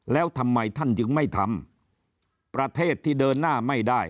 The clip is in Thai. แล้วทำไมท่านจึงไม่ทำประเทศที่เดินหน้าไม่ได้